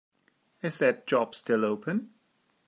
Is that job still open?